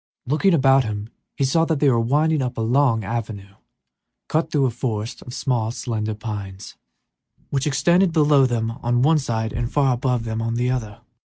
Looking about him, he saw they were winding upward along an avenue cut through a forest of small, slender pines, which extended below them on one side and far above them on the other.